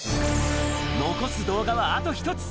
残す動画はあと１つ。